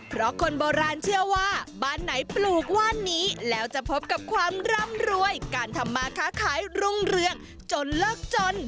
เพราะคนโบราณเชื่อว่าบ้านไหนปลูกว่านนี้แล้วจะพบกับความร่ำรวยการทำมาค้าขายรุ่งเรืองจนเลิกจน